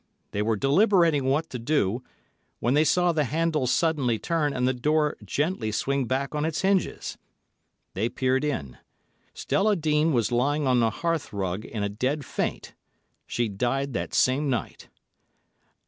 They were deliberating what to do, when they saw the handle suddenly turn and the door gently swing back on its hinges. They peered in. Stella Dean was lying on the hearthrug in a dead faint. She died that same night."